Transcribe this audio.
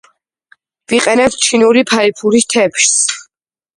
ვიყენებთ ჩინური ფაიფურის თეფშს